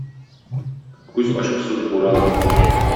Күз ачкысыз буран.